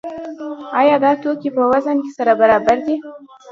آیا دا توکي په وزن کې سره برابر دي؟